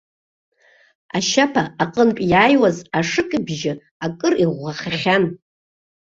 Ашьаԥа аҟынтә иаауаз ашыкьбжьы акыр иӷәӷәахахьан.